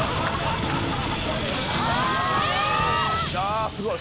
あすごい。